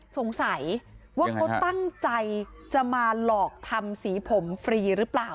สงสัยว่าเขาตั้งใจจะมาหลอกทำสีผมฟรีหรือเปล่า